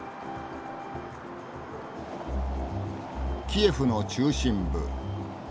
キエフの中心部。